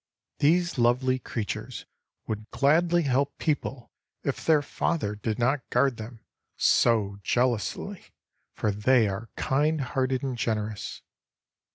These lovely creatures would gladly help people if their father did not guard them so jealously; for they are kind hearted and generous.